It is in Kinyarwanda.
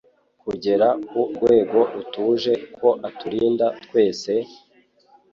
Kugera kurwego rutuje Ko aturinda twese,